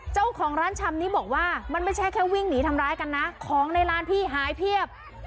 เจ้าของร้านชำนี้บอกว่ามันไม่ใช่แค่วิ่งหนีทำร้ายกันนะของในร้านพี่หายเพียบ